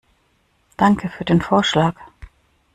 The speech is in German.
Danke für den Vorschlag.